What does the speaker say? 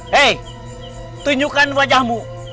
hei tunjukkan wajahmu